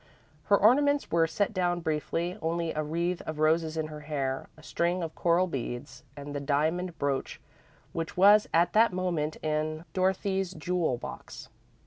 Her ornaments were set down briefly only a wreath of roses in her hair, a string of coral beads, and the diamond brooch which was at that moment in Dorothy's jewel box.